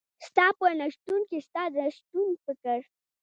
ستا په نشتون کي ستا د شتون فکر